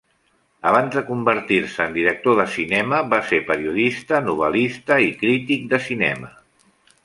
Abans de convertir-se en director de cinema, va ser periodista, novel·lista i crític de cinema.